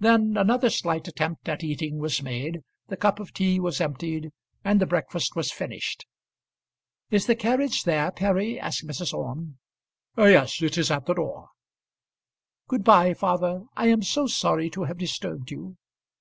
Then another slight attempt at eating was made, the cup of tea was emptied, and the breakfast was finished. "Is the carriage there, Perry?" asked Mrs. Orme. "Yes; it is at the door." "Good bye, father; I am so sorry to have disturbed you."